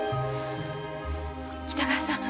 北川さん